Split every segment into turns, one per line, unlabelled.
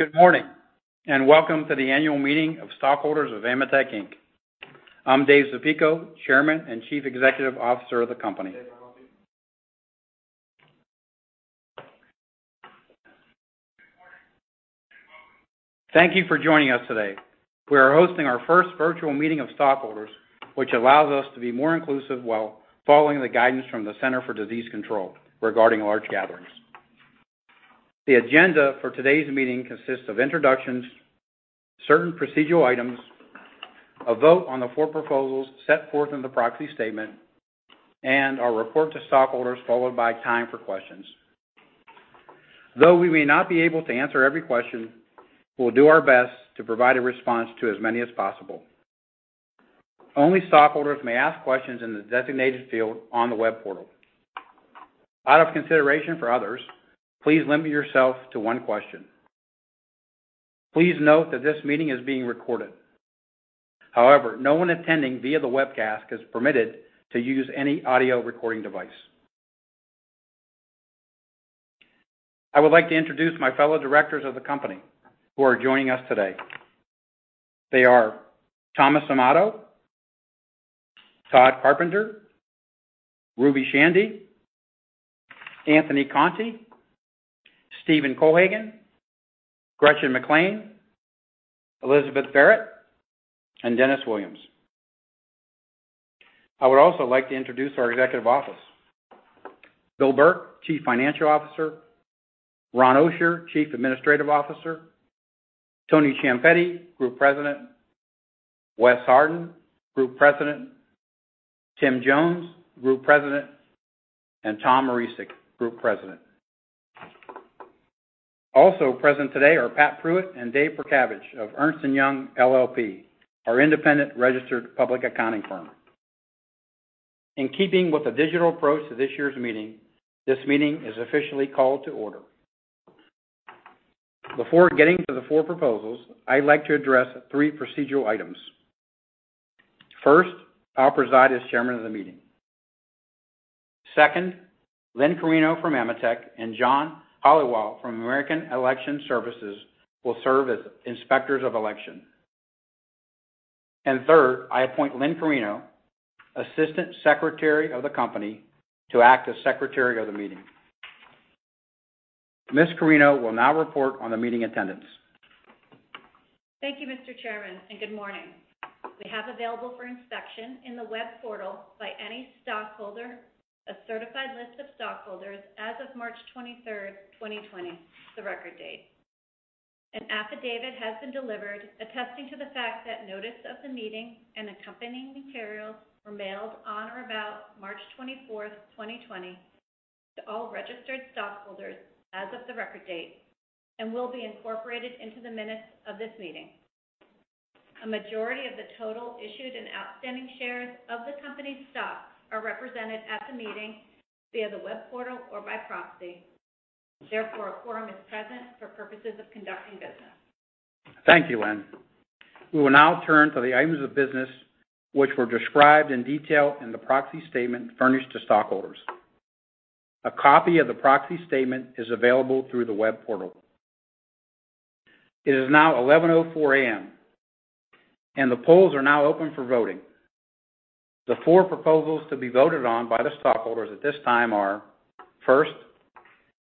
Good morning and welcome to the annual meeting of stockholders of AMETEK.Inc. I'm Dave Zapico, Chairman and Chief Executive Officer of the company. Thank you for joining us today. We are hosting our first virtual meeting of stockholders, which allows us to be more inclusive while following the guidance from the Centers for Disease Control regarding large gatherings. The agenda for today's meeting consists of introductions, certain procedural items, a vote on the four proposals set forth in the proxy statement, and our report to stockholders, followed by time for questions. Though we may not be able to answer every question, we'll do our best to provide a response to as many as possible. Only stockholders may ask questions in the designated field on the web portal. Out of consideration for others, please limit yourself to one question. Please note that this meeting is being recorded. However, no one attending via the webcast is permitted to use any audio recording device. I would like to introduce my fellow directors of the company who are joining us today. They are Thomas Amato, Todd Carpenter, Ruby Shandy, Anthony Conti, Stephen Cohagan, Gretchen McLean, Elizabeth Barrett, and Dennis Williams. I would also like to introduce our executive office: Bill Burke, Chief Financial Officer, Ron Osher, Chief Administrative Officer, Tony Ciampetti, Group President, Wes Harden, Group President, Tim Jones, Group President, and Tom Morisic, Group President. Also present today are Pat Pruitt and Dave Perkavich of Ernst & Young LLP, our independent registered public accounting firm. In keeping with the digital approach to this year's meeting, this meeting is officially called to order. Before getting to the four proposals, I'd like to address three procedural items. First, I'll preside as Chairman of the meeting. Second, Lynn Carino from AMETEK and John Holliwell from American Election Services will serve as inspectors of election. Third, I appoint Lynn Carino, Assistant Secretary of the company, to act as Secretary of the meeting. Ms. Carino will now report on the meeting attendance.
Thank you, Mr. Chairman, and good morning. We have available for inspection in the web portal by any stockholder a certified list of stockholders as of March 23, 2020, the record date. An affidavit has been delivered attesting to the fact that notice of the meeting and accompanying materials were mailed on or about March 24, 2020, to all registered stockholders as of the record date and will be incorporated into the minutes of this meeting. A majority of the total issued and outstanding shares of the company's stock are represented at the meeting via the web portal or by proxy. Therefore, a quorum is present for purposes of conducting business.
Thank you, Lynn. We will now turn to the items of business which were described in detail in the proxy statement furnished to stockholders. A copy of the proxy statement is available through the web portal. It is now 11:04 A.M., and the polls are now open for voting. The four proposals to be voted on by the stockholders at this time are: first,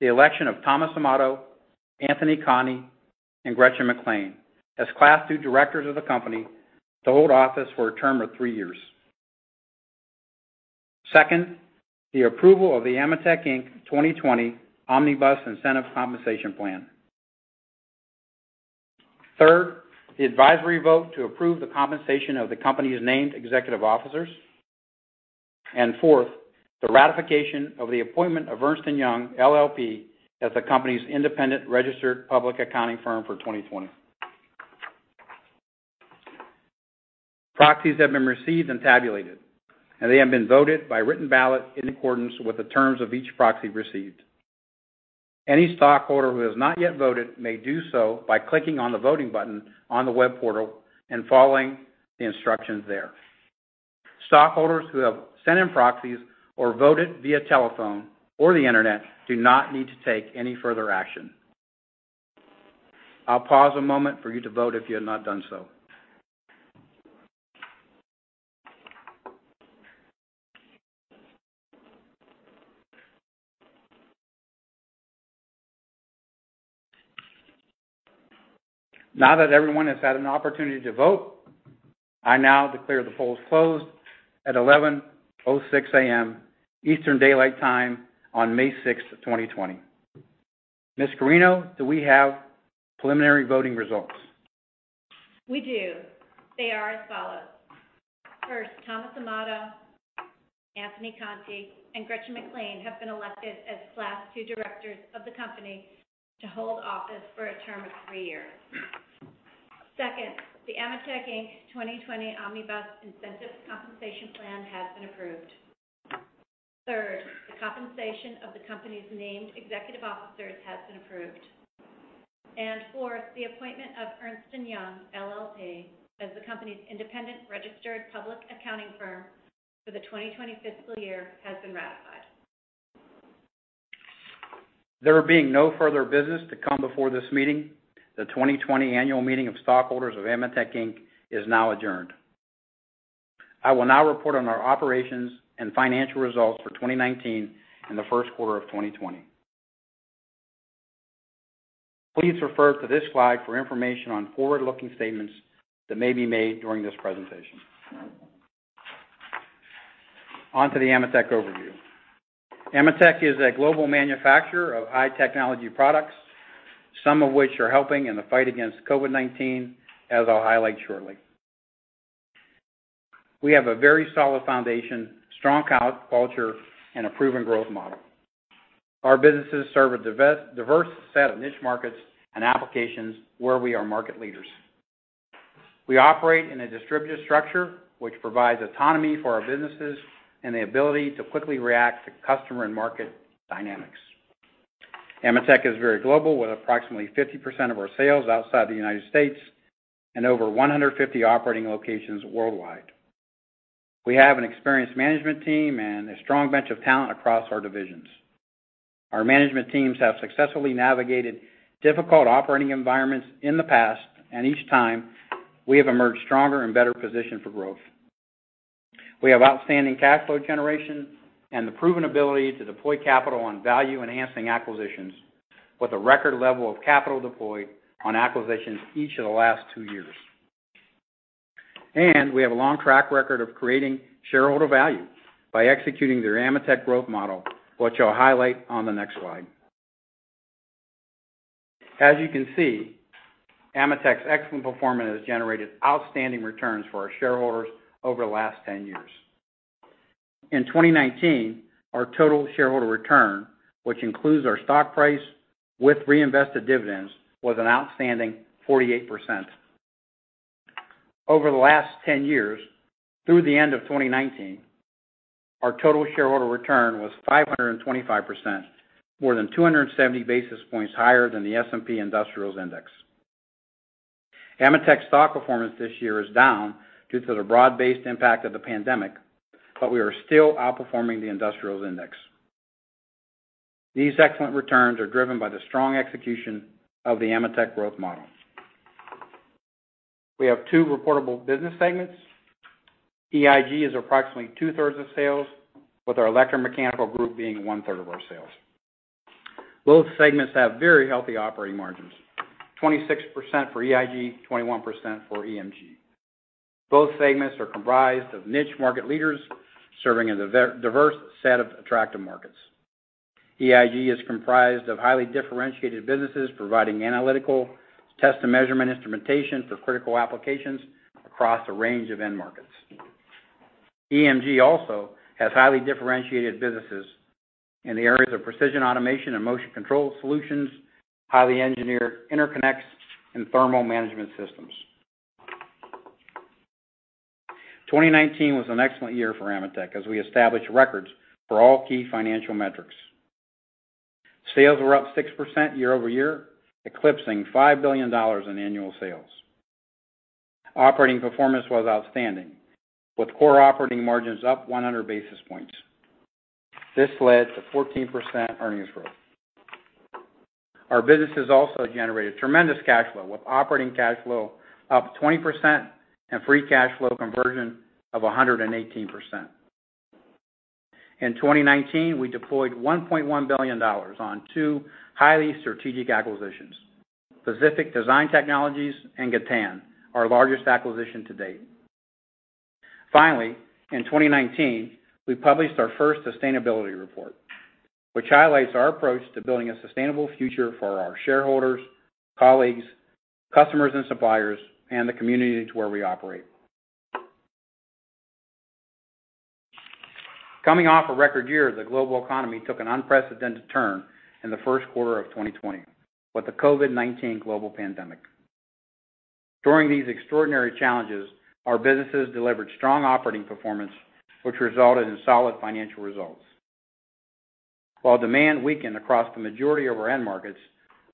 the election of Thomas Amato, Anthony Conti, and Gretchen McLean as Class II Directors of the company to hold office for a term of three years. Second, the approval of the AMETEK.Inc 2020 Omnibus Incentive Compensation Plan. Third, the advisory vote to approve the compensation of the company's named executive officers. Fourth, the ratification of the appointment of Ernst & Young LLP as the company's independent registered public accounting firm for 2020. Proxies have been received and tabulated, and they have been voted by written ballot in accordance with the terms of each proxy received. Any stockholder who has not yet voted may do so by clicking on the voting button on the web portal and following the instructions there. Stockholders who have sent in proxies or voted via telephone or the internet do not need to take any further action. I'll pause a moment for you to vote if you have not done so. Now that everyone has had an opportunity to vote, I now declare the polls closed at 11:06 A.M. Eastern Daylight Time on May 6, 2020. Ms. Carino, do we have preliminary voting results?
We do. They are as follows. First, Thomas Amato, Anthony Conti, and Gretchen McLean have been elected as Class II Directors of the company to hold office for a term of three years. Second, the AMETEK.Inc 2020 Omnibus Incentive Compensation Plan has been approved. Third, the compensation of the company's named executive officers has been approved. Fourth, the appointment of Ernst & Young LLP as the company's independent registered public accounting firm for the 2020 fiscal year has been ratified.
There being no further business to come before this meeting, the 2020 annual meeting of stockholders of AMETEK.Inc is now adjourned. I will now report on our operations and financial results for 2019 and the first quarter of 2020. Please refer to this slide for information on forward-looking statements that may be made during this presentation. On to the AMETEK overview. AMETEK is a global manufacturer of high-technology products, some of which are helping in the fight against COVID-19, as I'll highlight shortly. We have a very solid foundation, strong culture, and a proven growth model. Our businesses serve a diverse set of niche markets and applications where we are market leaders. We operate in a distributed structure which provides autonomy for our businesses and the ability to quickly react to customer and market dynamics. AMETEK is very global, with approximately 50% of our sales outside the United States and over 150 operating locations worldwide. We have an experienced management team and a strong bench of talent across our divisions. Our management teams have successfully navigated difficult operating environments in the past, and each time we have emerged stronger and better positioned for growth. We have outstanding cash flow generation and the proven ability to deploy capital on value-enhancing acquisitions, with a record level of capital deployed on acquisitions each of the last two years. We have a long track record of creating shareholder value by executing their AMETEK growth model, which I'll highlight on the next slide. As you can see, AMETEK's excellent performance has generated outstanding returns for our shareholders over the last 10 years. In 2019, our total shareholder return, which includes our stock price with reinvested dividends, was an outstanding 48%. Over the last 10 years, through the end of 2019, our total shareholder return was 525%, more than 270 basis points higher than the S&P Industrials Index. AMETEK's stock performance this year is down due to the broad-based impact of the pandemic, but we are still outperforming the Industrials Index. These excellent returns are driven by the strong execution of the AMETEK growth model. We have two reportable business segments. EIG is approximately two-thirds of sales, with our electromechanical group being one-third of our sales. Both segments have very healthy operating margins: 26% for EIG, 21% for EMG. Both segments are comprised of niche market leaders serving in a diverse set of attractive markets. EIG is comprised of highly differentiated businesses providing analytical test and measurement instrumentation for critical applications across a range of end markets. EMG also has highly differentiated businesses in the areas of precision automation and motion control solutions, highly engineered interconnects, and thermal management systems. 2019 was an excellent year for AMETEK as we established records for all key financial metrics. Sales were up 6% year over year, eclipsing $5 billion in annual sales. Operating performance was outstanding, with core operating margins up 100 basis points. This led to 14% earnings growth. Our businesses also generated tremendous cash flow, with operating cash flow up 20% and free cash flow conversion of 118%. In 2019, we deployed $1.1 billion on two highly strategic acquisitions: Pacific Design Technologies and Gatan, our largest acquisition to date. Finally, in 2019, we published our first sustainability report, which highlights our approach to building a sustainable future for our shareholders, colleagues, customers, and suppliers, and the communities where we operate. Coming off a record year, the global economy took an unprecedented turn in the first quarter of 2020 with the COVID-19 global pandemic. During these extraordinary challenges, our businesses delivered strong operating performance, which resulted in solid financial results. While demand weakened across the majority of our end markets,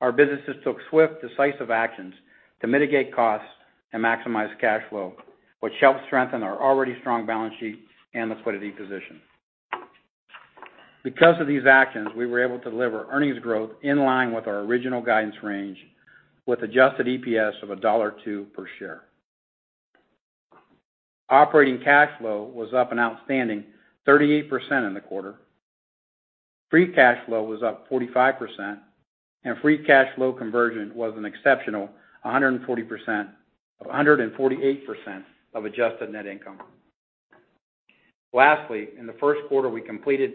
our businesses took swift, decisive actions to mitigate costs and maximize cash flow, which helped strengthen our already strong balance sheet and liquidity position. Because of these actions, we were able to deliver earnings growth in line with our original guidance range, with adjusted EPS of $1.02 per share. Operating cash flow was up an outstanding 38% in the quarter. Free cash flow was up 45%, and free cash flow conversion was an exceptional 148% of adjusted net income. Lastly, in the first quarter, we completed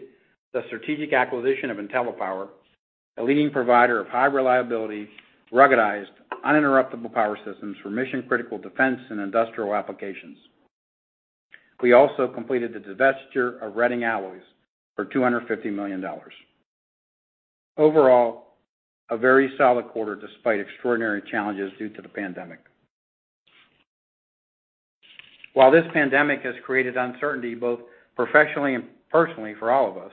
the strategic acquisition of IntelliPower, a leading provider of high-reliability, ruggedized, uninterruptible power systems for mission-critical defense and industrial applications. We also completed the divestiture of Redding Alloys for $250 million. Overall, a very solid quarter despite extraordinary challenges due to the pandemic. While this pandemic has created uncertainty both professionally and personally for all of us,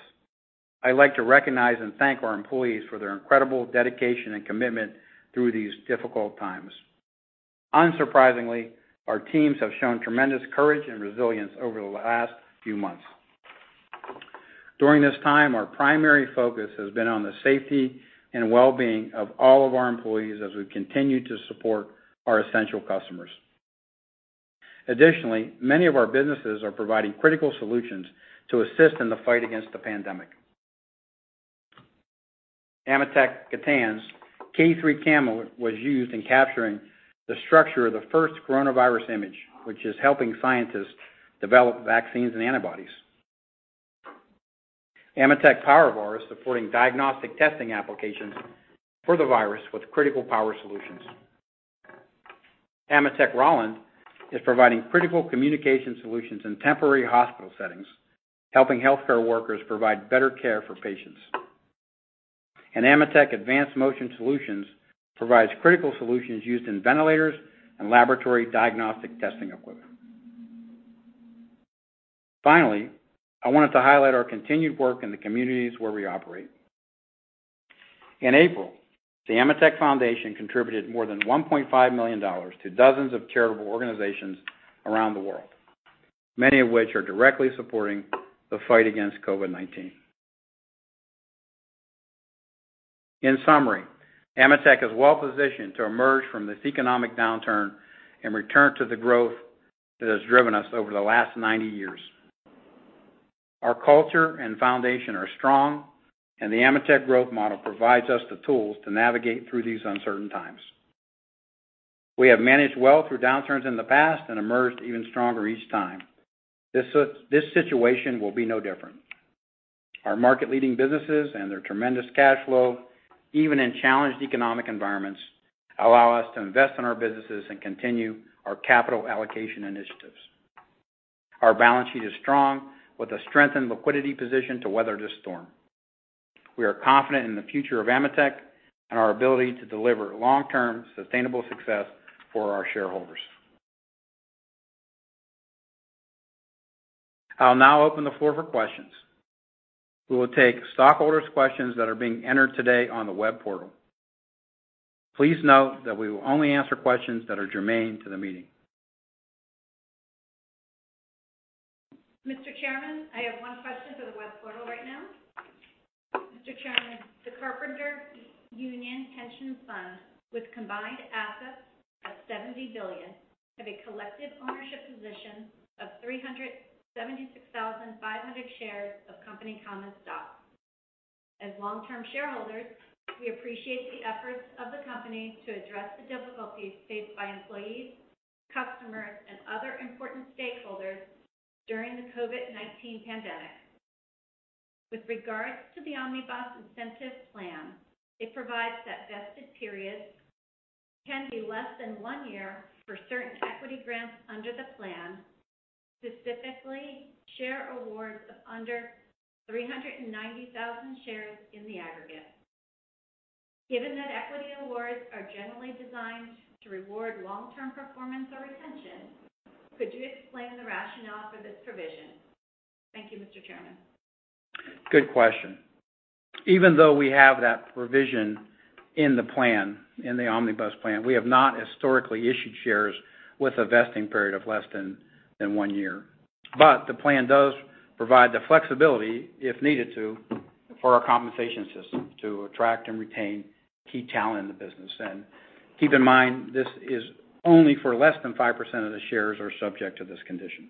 I'd like to recognize and thank our employees for their incredible dedication and commitment through these difficult times. Unsurprisingly, our teams have shown tremendous courage and resilience over the last few months. During this time, our primary focus has been on the safety and well-being of all of our employees as we continue to support our essential customers. Additionally, many of our businesses are providing critical solutions to assist in the fight against the pandemic. AMETEK Gatan's K3 camera was used in capturing the structure of the first coronavirus image, which is helping scientists develop vaccines and antibodies. AMETEK PowerVar is supporting diagnostic testing applications for the virus with critical power solutions. AMETEK Roland is providing critical communication solutions in temporary hospital settings, helping healthcare workers provide better care for patients. AMETEK Advanced Motion Solutions provides critical solutions used in ventilators and laboratory diagnostic testing equipment. Finally, I wanted to highlight our continued work in the communities where we operate. In April, the AMETEK Foundation contributed more than $1.5 million to dozens of charitable organizations around the world, many of which are directly supporting the fight against COVID-19. In summary, AMETEK is well-positioned to emerge from this economic downturn and return to the growth that has driven us over the last 90 years. Our culture and foundation are strong, and the AMETEK growth model provides us the tools to navigate through these uncertain times. We have managed well through downturns in the past and emerged even stronger each time. This situation will be no different. Our market-leading businesses and their tremendous cash flow, even in challenged economic environments, allow us to invest in our businesses and continue our capital allocation initiatives. Our balance sheet is strong, with a strengthened liquidity position to weather this storm. We are confident in the future of AMETEK and our ability to deliver long-term sustainable success for our shareholders. I'll now open the floor for questions. We will take stockholders' questions that are being entered today on the web portal. Please note that we will only answer questions that are germane to the meeting.
Mr. Chairman, I have one question for the web portal right now. Mr. Chairman, the Carpenter Union Pension Fund, with combined assets of $70 billion, has a collective ownership position of 376,500 shares of Company Common Stock. As long-term shareholders, we appreciate the efforts of the company to address the difficulties faced by employees, customers, and other important stakeholders during the COVID-19 pandemic. With regards to the Omnibus Incentive Plan, it provides that vested periods can be less than one year for certain equity grants under the plan, specifically share awards of under 390,000 shares in the aggregate. Given that equity awards are generally designed to reward long-term performance or retention, could you explain the rationale for this provision? Thank you, Mr. Chairman.
Good question. Even though we have that provision in the plan, in the Omnibus Plan, we have not historically issued shares with a vesting period of less than one year. The plan does provide the flexibility, if needed, for our compensation system to attract and retain key talent in the business. Keep in mind, this is only for less than 5% of the shares that are subject to this condition.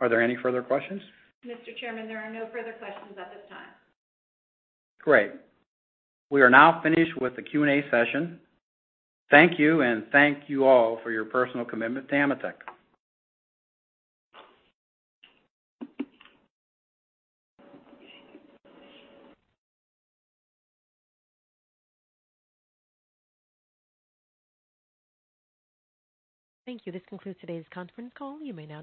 Are there any further questions?
Mr. Chairman, there are no further questions at this time.
Great. We are now finished with the Q&A session. Thank you, and thank you all for your personal commitment to AMETEK.
Thank you. This concludes today's conference call. You may now disconnect.